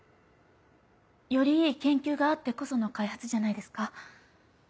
よりいい研究があってこその開発じゃないですか？